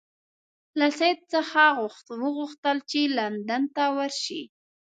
له سید څخه وغوښتل چې لندن ته ورشي.